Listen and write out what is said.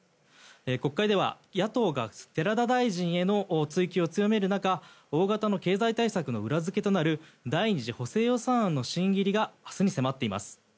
国会では野党が寺田大臣への追及を強める中大型の経済対策の裏付けとなる第２次補正予算案の審議入りが明日に迫っています。